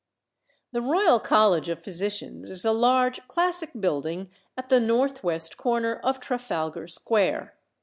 The Royal College of Physicians is a large classic building at the north west corner of Trafalgar Square.